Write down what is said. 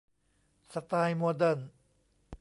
สไตล์โมเดิร์น